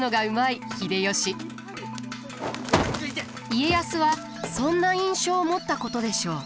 家康はそんな印象を持ったことでしょう。